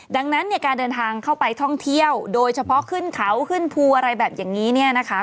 ดังนั้นเนี่ยการเดินทางเข้าไปท่องเที่ยวโดยเฉพาะขึ้นเขาขึ้นภูอะไรแบบอย่างนี้เนี่ยนะคะ